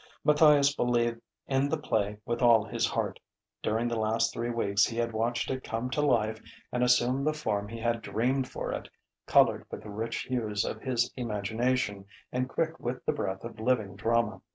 Matthias believed in the play with all his heart. During the last three weeks he had watched it come to life and assume the form he had dreamed for it, coloured with the rich hues of his imagination and quick with the breath of living drama.